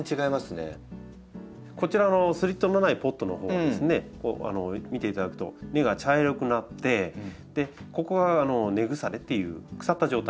こちらのスリットのないポットのほうを見ていただくと根が茶色くなってでここは根腐れっていう腐った状態なんですね。